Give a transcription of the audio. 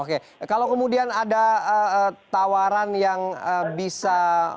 oke kalau kemudian ada tawaran yang bisa